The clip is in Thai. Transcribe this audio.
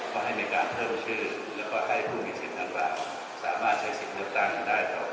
ก็ให้มีการเพิ่มชื่อแล้วก็ให้ผู้มีสิทธิ์ดังกล่าวสามารถใช้สิทธิ์เลือกตั้งกันได้ครับ